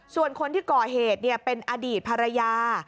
ส่วนคนที่ก่อเหตุเป็นอดีตภรรยา